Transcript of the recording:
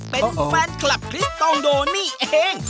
เป็นแฟนคลับคริสตองโดนี่เอง